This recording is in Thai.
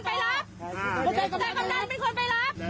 แต่จำนั้นเป็นคนไปรับเลยแต่เป็นคนไปรับ